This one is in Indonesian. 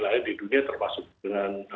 lain di dunia termasuk dengan